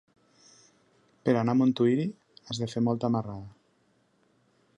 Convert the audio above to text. Per anar a Montuïri has de fer molta marrada.